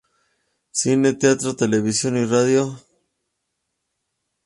Cine, Teatro, Televisión y Radio